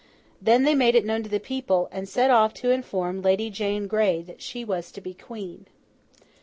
Then, they made it known to the people, and set off to inform Lady Jane Grey that she was to be Queen.